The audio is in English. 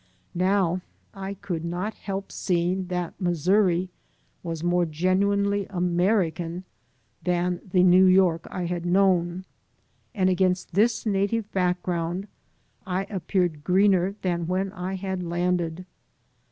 Now I could not help seeing that Missouri was more genuinely American than the New York I had known; and against this native background I appeared greener than when I had landed.